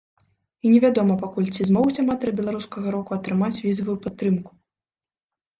І не вядома пакуль, ці змогуць аматары беларускага року атрымаць візавую падтрымку.